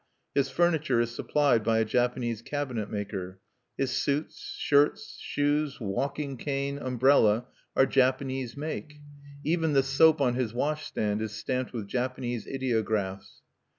His furniture is supplied by a Japanese cabinet maker. His suits, shirts, shoes, walking cane, umbrella, are "Japanese make": even the soap on his washstand is stamped with Japanese ideographs.